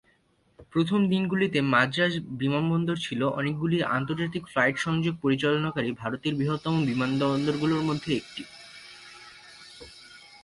প্রথম দিনগুলিতে, মাদ্রাজ বিমানবন্দর ছিল অনেকগুলি আন্তর্জাতিক ফ্লাইট সংযোগ পরিচালনাকারী ভারতের বৃহত্তম বিমানবন্দরগুলির মধ্যে একটি।